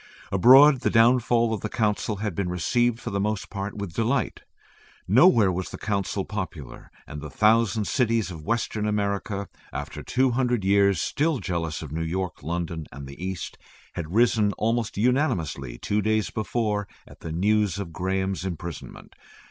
Abroad the downfall of the Council had been received for the most part with delight. Nowhere was the Council popular, and the thousand cities of Western America, after two hundred years still jealous of New York, London, and the East, had risen almost unanimously two days before at the news of Graham's imprisonment.